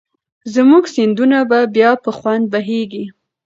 زموږ سیندونه به بیا په خوند بهېږي.